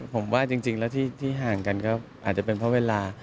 ผมว่าจริงแล้วที่ห่างกันก็อาจจะเป็นเพราะเวลา